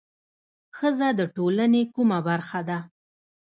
ښځه د ټولنې کومه برخه ده؟